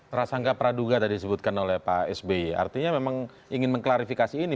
prasangka praduga tadi disebutkan oleh pak sby artinya memang ingin mengklarifikasi ini